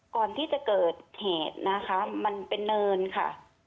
ก่อนที่จะเกิดเหตุนะคะมันเป็นเนินค่ะ